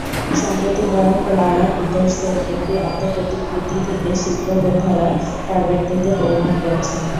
সম্প্রতি পাওয়া ক্লারা পিটার্সের একটি আত্মপ্রতিকৃতি থেকে শিল্পবোদ্ধারা তাঁর ব্যক্তিত্বের পরিমাপ করেছেন।